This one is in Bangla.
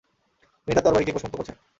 তিনি তাঁর তরবারীকে কোষমুক্ত করছেন।